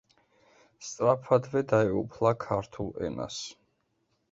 სწრაფადვე დაეუფლა ქართულ ენას.